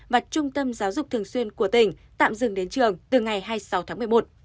và trung tâm giáo dục thường xuyên của tỉnh tạm dừng đến trường từ ngày hai mươi sáu tháng một mươi một